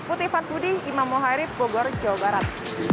putri van pudi imam mohairif bogor jawa barat